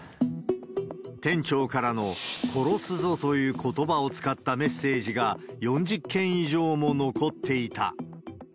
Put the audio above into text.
店長からの、殺すぞということばを使ったメッセージが、４０件以上も残っていた。